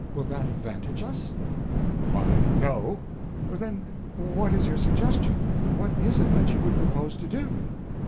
Will that advantage us?" "Why—no." "Then what is your suggestion?—what is it that you would propose to do?"